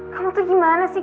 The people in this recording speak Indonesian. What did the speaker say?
kamu tuh gimana sih